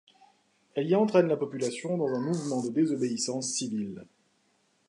Elle y entraîne la population dans un mouvement de désobéissance civile.